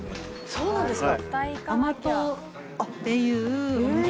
そうなんですか。